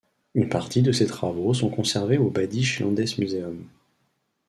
Une partie de ses travaux sont conservés au Badisches Landesmuseum.